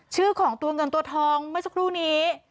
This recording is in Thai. ชื่อของตัวเงินตัวทองเมื่อสักครู่นี้